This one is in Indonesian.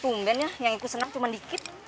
tumben yah yang itu senang cuma dikit